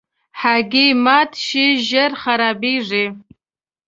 هګۍ مات شي، ژر خرابیږي.